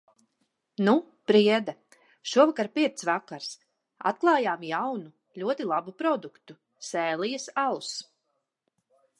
Nu... priede. Šovakar pirts vakars. Atklājām jaunu, ļoti labu produktu – "Sēlijas alus".